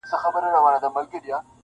ګورئ تر خلوته چي خُمونه غلي غلي وړي-”-